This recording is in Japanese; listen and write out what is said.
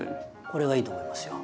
これがいいと思いますよ。